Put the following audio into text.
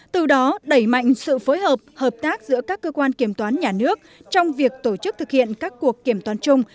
từ đó đẩy mạnh sự phối hợp hợp tác giữa các cơ quan kiểm toán nhà nước trong việc tổ chức thực hiện các cuộc kiểm toán chung